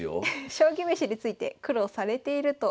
将棋めしについて苦労されているということです。